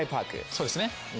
そうですね。